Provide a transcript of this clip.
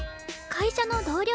会社の同僚。